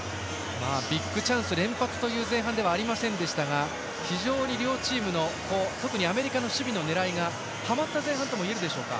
ビッグチャンス連発という前半ではありませんでしたが非常に両チームの特にアメリカの守備の狙いがはまった前半ともいえるでしょうか。